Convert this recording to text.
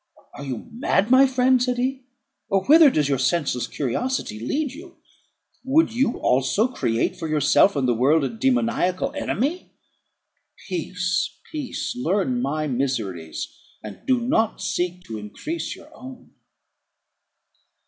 "Are you mad, my friend?" said he; "or whither does your senseless curiosity lead you? Would you also create for yourself and the world a demoniacal enemy? Peace, peace! learn my miseries, and do not seek to increase your own."